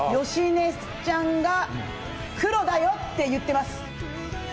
芳根ちゃんが黒だよって言ってます。